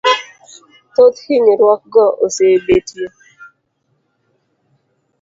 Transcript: Thoth hinyruokgo osebetie